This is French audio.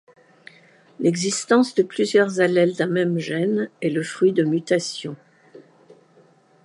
L'existence de plusieurs allèles d'un même gène est le fruit de mutations.